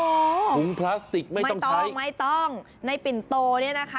ถุงพลาสติกไม่ต้องไม่ต้องในปิ่นโตเนี่ยนะคะ